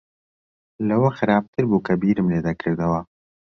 لەوە خراپتر بوو کە بیرم لێ دەکردەوە.